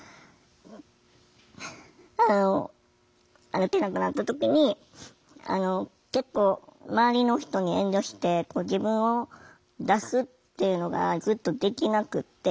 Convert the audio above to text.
歩けなくなった時に結構周りの人に遠慮して自分を出すっていうのがずっとできなくって。